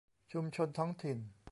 ชุมชนท้องถิ่น